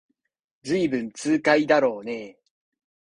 ずいぶん痛快だろうねえ